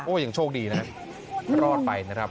ยังโชคดีนะรอดไปนะครับ